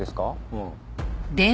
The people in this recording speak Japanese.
うん。